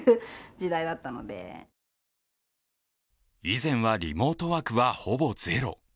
以前はリモートワークはほぼゼロ。